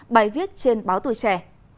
bài viết trên báo tù trẻ